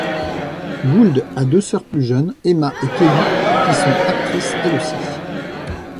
Gould a deux sœurs plus jeunes, Emma et Kelly qui sont actrices elles aussi.